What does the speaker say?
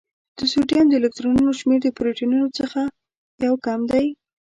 د سوډیم د الکترونونو شمېر د پروتونونو څخه یو کم دی.